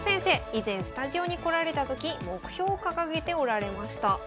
以前スタジオに来られた時目標を掲げておられました。